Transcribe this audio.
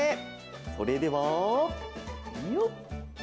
それではよっ！